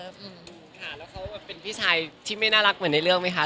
แล้วเขาแบบเป็นพี่ชายที่ไม่น่ารักเหมือนในเรื่องไหมคะ